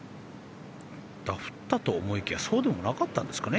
ダフったと思いきやそうでもなかったですかね